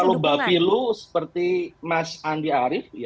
kalau bapilu seperti mas andi arief